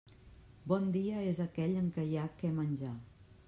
Bon dia és aquell en què hi ha què menjar.